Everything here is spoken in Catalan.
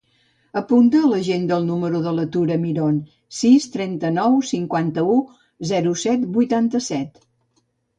Apunta a l'agenda el número de la Tura Miron: sis, trenta-nou, cinquanta-u, zero, set, vuitanta-set.